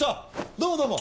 どうもどうも。